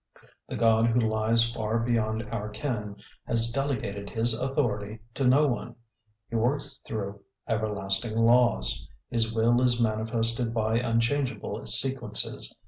The God who lies far beyond our ken has delegated His authority to no one. He works through everlasting laws. His will is manifested by unchangeable sequences.